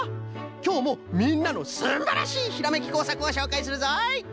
きょうもみんなのすんばらしいひらめきこうさくをしょうかいするぞい。